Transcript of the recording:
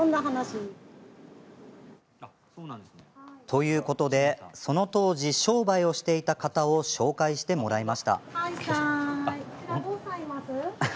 ということでその当時、商売をしていた方を紹介してもらいました。